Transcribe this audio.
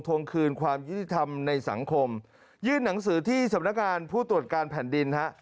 วงคืนความยุติธรรมในสังคมยื่นหนังสือที่สำนักงานผู้ตรวจการแผ่นดินฮะ